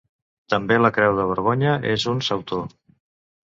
També la creu de Borgonya és un sautor.